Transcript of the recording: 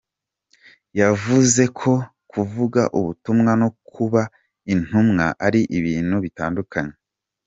Yavuze ko kuvuga ubutumwa no kuba Intumwa, ari ibintu bitandukanye.